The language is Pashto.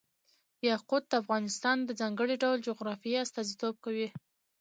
یاقوت د افغانستان د ځانګړي ډول جغرافیه استازیتوب کوي.